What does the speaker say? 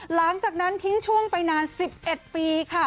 หลังจากนั้นทิ้งช่วงไปนาน๑๑ปีค่ะ